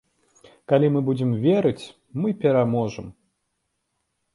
Калі мы будзем верыць, мы пераможам.